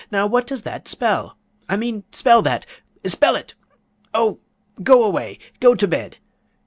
Now what does that spell? I mean, spell that! Spell it! Oh, go away! Go to bed!